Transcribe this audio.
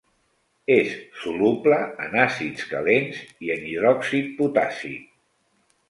És soluble en àcids calents i en hidròxid potàssic.